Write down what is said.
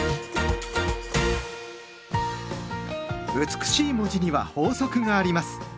美しい文字には法則があります。